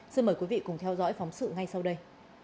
xin mời quý vị cùng theo dõi phóng sự ngay sau đây